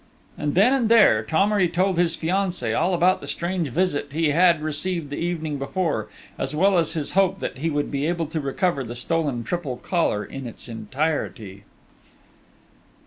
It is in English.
And, then and there, Thomery told his fiancée all about the strange visit he had received the evening before, as well as his hope that he would be able to recover the stolen triple collar in its entirety.